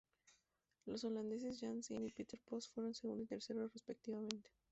Los holandeses Jan Janssen y Peter Post fueron segundo y tercero respectivamente.